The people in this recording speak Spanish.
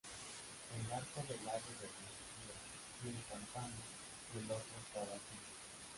El arco del lado de mediodía tiene campana y el otro está vacío.